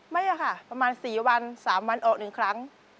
ไม่อะค่ะประมาณสี่วันสามวันออกหนึ่งครั้ง